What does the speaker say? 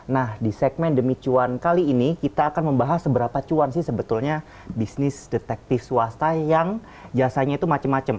nah di segmen demi cuan kali ini kita akan membahas seberapa cuan sih sebetulnya bisnis detektif swasta yang jasanya itu macam macam